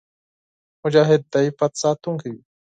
مجاهد د عفت ساتونکی وي.